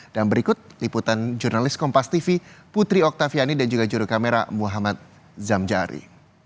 dan berikut liputan jurnalis kompas tv putri oktaviani dan juga juru kamera muhammad zamjari